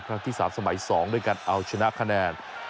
ครั้งที่๓สมัย๒ด้วยการเอาชนะคะแนน